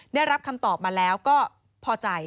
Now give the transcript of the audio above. ได้รับคำตอบมาแล้วก็พอใจ